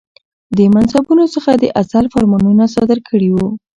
د منصبونو څخه د عزل فرمانونه صادر کړي ؤ